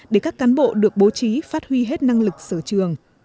để các cán bộ được bố trí phát huy hết năng lực sở trường